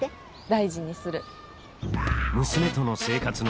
大事にする。